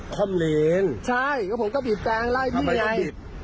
ทำไมต้องบิด